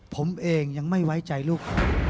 ผมเองยังไม่ไว้ใจลูก